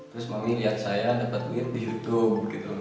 terus ma mi lihat saya dapat win di youtube gitu